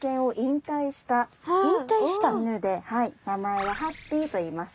名前はハッピーといいます。